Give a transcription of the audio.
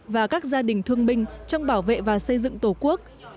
và các gia đình thương binh trong bảo vệ và xây dựng tổ quốc